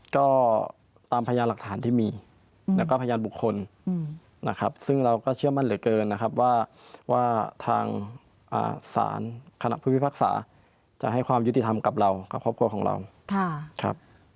ก็ตามพยานหลักฐานที่มีแล้วก็มันบุคคลนะครับซึ่งเราก็เชื่อมั่นเหลือเกินนะครับว่าว่าทางศาลคณะพฤพศาสตร์จะให้ความยุติธรรมกับเราก็ความเปลี่ยนของเรา